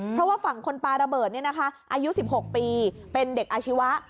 เพราะว่าฝั่งคนปลาระเบิดอายุ๑๖ปีเป็นเด็กอาชีวะ